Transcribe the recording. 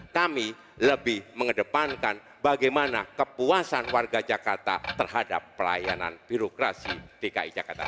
kami lebih mengedepankan bagaimana kepuasan warga jakarta terhadap pelayanan birokrasi dki jakarta